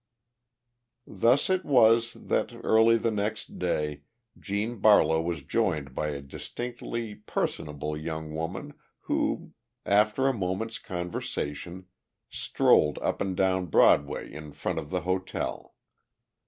Thus it was that, early the next day, Gene Barlow was joined by a distinctly personable young woman who, after a moment's conversation, strolled up and down Broadway in front of the hotel.